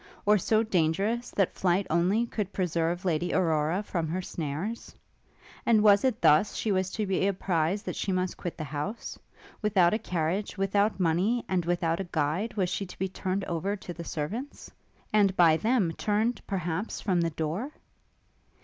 or so dangerous, that flight, only, could preserve Lady Aurora from her snares? And was it thus, she was to be apprized that she must quit the house? Without a carriage, without money, and without a guide, was she to be turned over to the servants? and by them turned, perhaps, from the door?